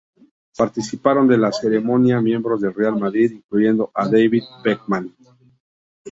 Participaron de la ceremonia miembros del Real Madrid incluyendo a David Beckham.